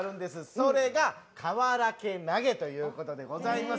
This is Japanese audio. それがかわらけ投げというものでございます。